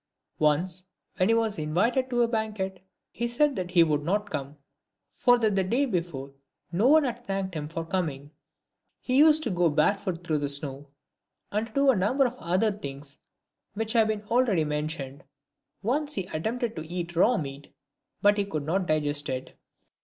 " Once, when he was in vited to a banquet, he said that he would not come : for that the day before no one had thanked him for coming. He used to go bare foot through the snow, and to do a number of other things which have been already mentioned. Once he at tempted to eat raw meat, but he could not digest it.